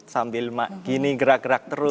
sambil gini gerak gerak terus